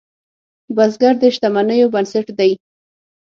بزګر د شتمنیو بنسټ دی